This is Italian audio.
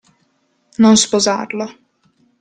Non sposarlo.